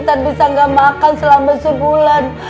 tak bisa gak makan selama sebulan